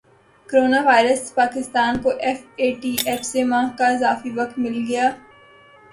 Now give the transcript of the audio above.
corona virus Pakistan کو F A T F سے ماہ کا اضافی وقت مل گیا